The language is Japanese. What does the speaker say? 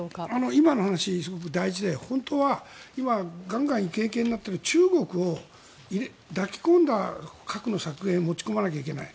今の話、すごく大事で本当はガンガン、イケイケになっている中国を抱き込んだ核の削減へ持ち込まなきゃいけない。